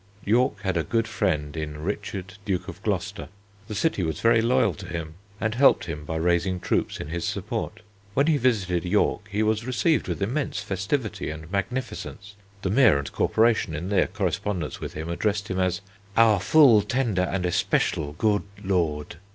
York had a good friend in Richard, Duke of Gloucester. The city was very loyal to him and helped him by raising troops in his support. When he visited York he was received with immense festivity and magnificence. The Mayor and Corporation in their correspondence with him addressed him as "our full tender and especial good lord."